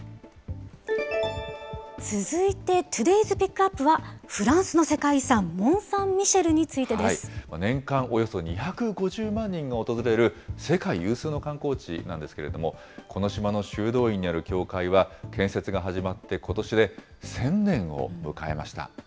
続いて、トゥディズ・ピックアップは、フランスの世界遺産、モンサンミシェルについてです。年間およそ２５０万人が訪れる世界有数の観光地なんですけれども、この島の修道院にある教会は、建設が始まってことしで１０００年を迎えました。